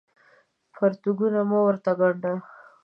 پرتوګونه مه ورته ګاڼډه